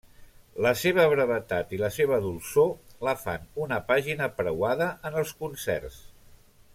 La seva brevetat i la seva dolçor la fan una pàgina preuada en els concerts.